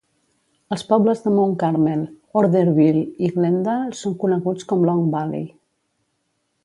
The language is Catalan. Els pobles de Mount Carmel, Orderville i Glendale són coneguts com Long Valley.